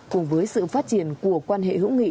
cùng với sự phát triển của quan hệ hữu nghị